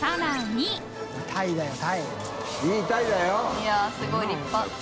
いやすごい立派。